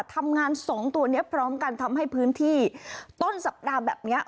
ทำงานสองตัวนี้พร้อมกันทำให้พื้นที่ต้นสัปดาห์แบบนี้